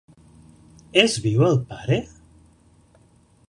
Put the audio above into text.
És viu el pare?